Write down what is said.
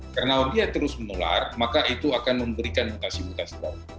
karena dia terus menular maka itu akan memberikan mutasi mutasi baru